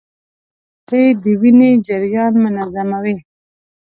مالټې د وینې جریان منظموي.